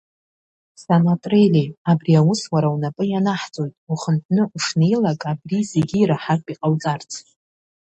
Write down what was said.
Санатрели, абри аус уара унапы ианаҳҵоит, ухынҳәны ушнеилак абри зегьы ираҳартә иҟауҵарц.